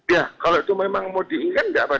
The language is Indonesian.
ya kalau itu memang mau diingat nggak pak